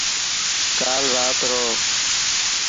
ڪال رات رو.